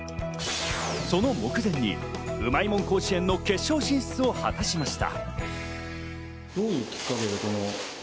その目前にうまいもん甲子園の決勝進出を果たしました。